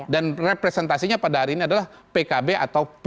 dan representasinya pada hari ini adalah pkb atau p tiga